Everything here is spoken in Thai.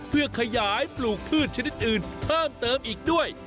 เพื่อขยายปลูกพืชชนิดอื่นเพิ่มเติมอีกด้วย